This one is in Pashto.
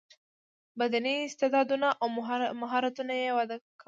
بدني استعداونه او مهارتونه یې وده کوي.